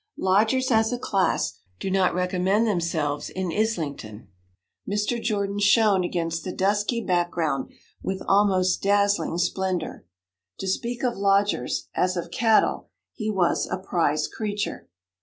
Lodgers, as a class, do not recommend themselves in Islington; Mr. Jordan shone against the dusky background with almost dazzling splendour. To speak of lodgers as of cattle, he was a prize creature.